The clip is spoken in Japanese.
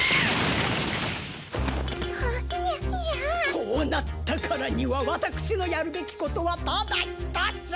こうなったからには私のやるべきことはただひとつ。